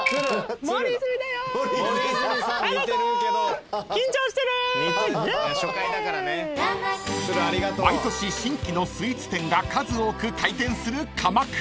［毎年新規のスイーツ店が数多く開店する鎌倉］